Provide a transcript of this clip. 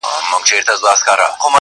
• ښکاري هم کرار کرار ورغی پلی -